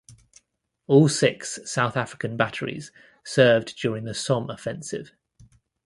All six South African batteries served during the Somme offensive.